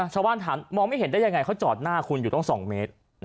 ชาวบ้านถามมองไม่เห็นได้ยังไงเขาจอดหน้าคุณอยู่ต้อง๒เมตร